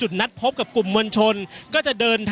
อย่างที่บอกไปว่าเรายังยึดในเรื่องของข้อ